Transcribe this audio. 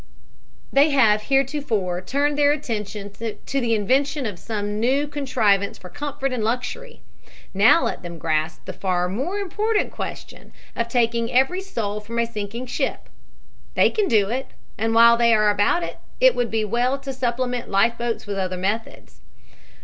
They have heretofore turned their attention to the invention of some new contrivance for comfort and luxury. Now let them grasp the far more important question of taking every soul from a sinking ship. They can do it, and while they are about it, it would be well to supplement life boats with other methods.